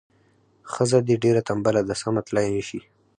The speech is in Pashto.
ښځه دې ډیره تنبله ده سمه تلای نه شي.